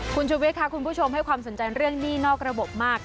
คุณชุวิตค่ะคุณผู้ชมให้ความสนใจเรื่องหนี้นอกระบบมาก